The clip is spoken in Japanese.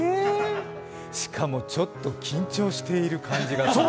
しかもちょっと緊張している感じがする。